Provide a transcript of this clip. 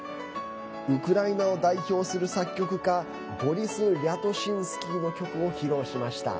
ウクライナを代表する作曲家ボリス・リャトシンスキーの曲を披露しました。